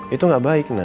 itu gak baik nak